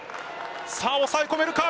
抑え込めるか。